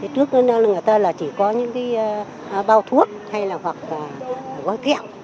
trước đó là người ta chỉ có những cái bao thuốc hay là hoặc gói kẹo